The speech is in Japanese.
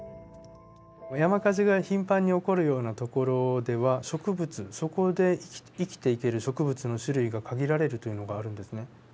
山火事が頻繁に起こるような所では植物そこで生きていける植物の種類が限られるというのがあるんですね。